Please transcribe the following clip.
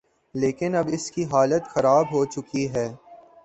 لیکن اب اس کی حالت خراب ہو چکی ہے۔